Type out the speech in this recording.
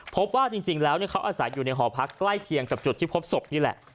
พบว่าจริงแล้วเขาอาศัยอยู่ในหอพักใกล้เคียงกับจุดที่พบศพนี่แหละ